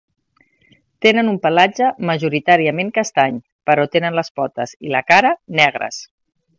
Tenen un pelatge majoritàriament castany, però tenen les potes i la cara negres.